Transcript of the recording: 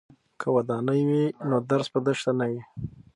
که ودانۍ وي نو درس په دښته نه وي.